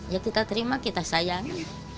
ya kita terima kita sayangi